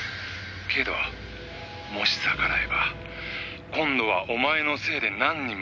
「けどもし逆らえば今度はお前のせいで何人も人が死ぬ」